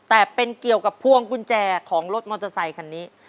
แต่เป็นเกี่ยวกับพวงกุญแจของรถมอเตอร์ไซคันนี้